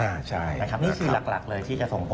นี่คือหลักเลยที่จะส่งผล